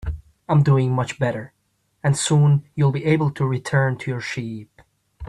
I'm doing much better, and soon you'll be able to return to your sheep.